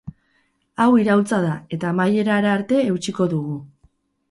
Hau iraultza da, eta amaierara arte eutsiko dugu.